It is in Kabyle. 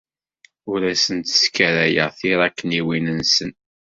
Ur asen-sskarayeɣ tiṛakniwin-nsen.